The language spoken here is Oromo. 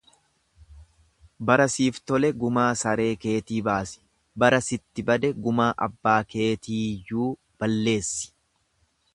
Bara siif tole gumaa saree keetii baasi, bara sitti bade gumaa abbaa keetiiyyuu balleessi.